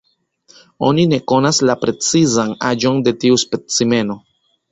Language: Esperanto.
Oni ne konas la precizan aĝon de tiu specimeno.